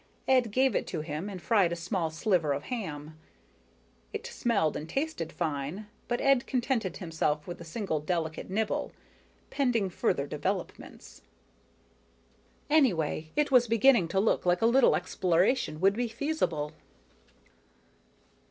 Ed gave it to him and fried a small sliver of ham. It smelled and tasted fine, but Ed contented himself with a single delicate nibble, pending further developments. Anyway, it was beginning to look like a little exploration would be feasible.